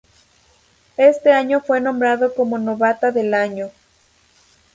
Ese año fue nombrada como novata del año.